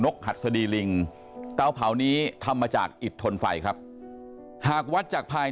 หัดสดีลิงเตาเผานี้ทำมาจากอิดทนไฟครับหากวัดจากภาย